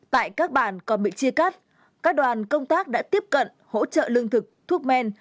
tại các bản còn bị chia cắt các đoàn công tác đã tiếp cận hỗ trợ lương thực thuốc men